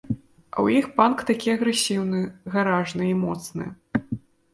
А ў іх панк такі агрэсіўны, гаражны і моцны.